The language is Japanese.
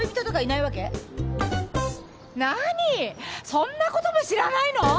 そんなことも知らないの？